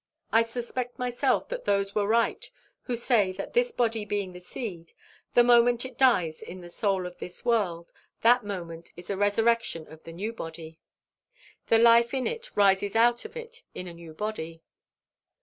I suspect myself that those are right who say that this body being the seed, the moment it dies in the soil of this world, that moment is the resurrection of the new body. The life in it rises out of it in a new body.